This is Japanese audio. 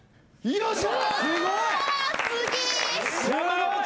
よっしゃ！